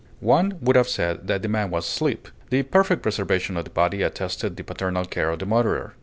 One would have said that the man was asleep. The perfect preservation of the body attested the paternal care of the murderer.